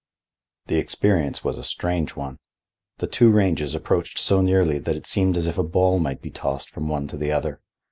The experience was a strange one. The two ranges approached so nearly that it seemed as if a ball might be tossed from one to the other.